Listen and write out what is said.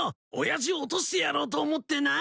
親父を落としてやろうと思ってな。